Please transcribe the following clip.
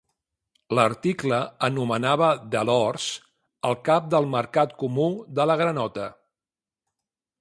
L'article anomenava Delors "el cap del mercat comú de la granota".